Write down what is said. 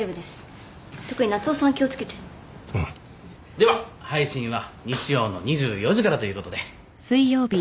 では配信は日曜の２４時からということで。